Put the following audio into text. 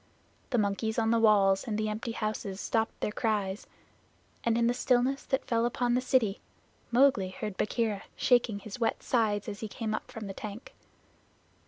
The monkeys on the walls and the empty houses stopped their cries, and in the stillness that fell upon the city Mowgli heard Bagheera shaking his wet sides as he came up from the tank.